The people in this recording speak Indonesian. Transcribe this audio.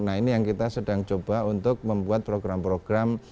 nah ini yang kita sedang coba untuk membuat program program